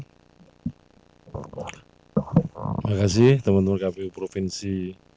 terima kasih teman teman kpu provinsi